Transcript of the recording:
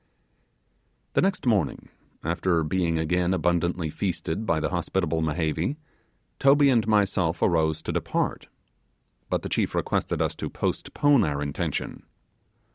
The next morning, after being again abundantly feasted by the hospitable Mehevi, Toby and myself arose to depart. But the chief requested us to postpone our intention.